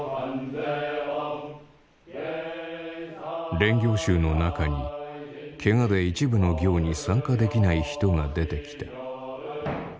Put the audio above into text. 練行衆の中にけがで一部の行に参加できない人が出てきた。